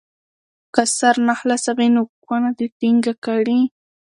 که سر نه خلاصوي نو کونه دې ټینګه کړي.